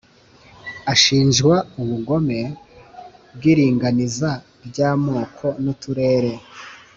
Ashinjwa ubugome bw’iringaniza ry’amoko n’uturere